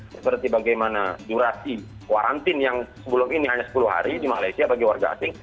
seperti bagaimana durasi warantin yang sebelum ini hanya sepuluh hari di malaysia bagi warga asing